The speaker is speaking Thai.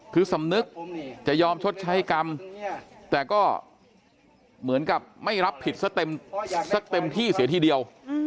คือสำนึกจะยอมชดใช้กรรมแต่ก็เหมือนกับไม่รับผิดซะเต็มที่เสียทีเดียว